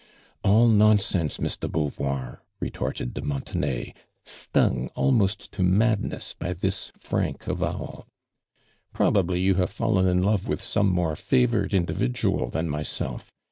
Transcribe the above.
" All nonsense. Miss do Beauvoir," retort ed de Montenay, stung almost to madness by this frank avowal. " Probably you have fallen in love with some more favored in dividual than myself.